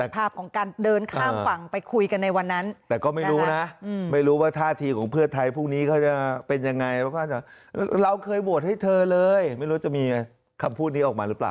โปรดติดตามตอนต่อไป